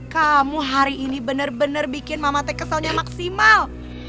kamu hari ini bener bener bikin mama teh keselnya maksimal